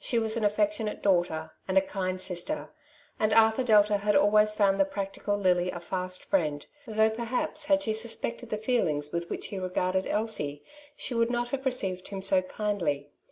She was an affectionate daughter and a kind sister, and Arthur Delta had always found the practical Lily a fast friend, though perhaps had she suspected the feelings with which he regarded Elise, she would not have received him so kindly.